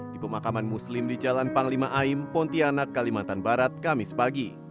di pemakaman muslim di jalan panglima aim pontianak kalimantan barat kamis pagi